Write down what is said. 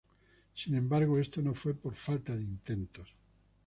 Sin embargo, esto no fue por falta de intentos.